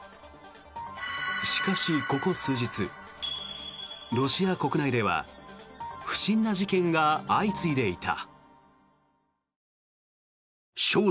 しかし、ここ数日ロシア国内では不審な事件が相次いでいた。